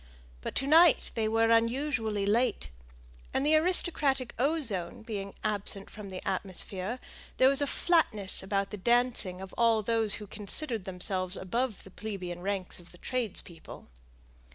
But to night they were unusually late, and the aristocratic ozone being absent from the atmosphere, there was a flatness about the dancing of all those who considered themselves above the plebeian ranks of the tradespeople.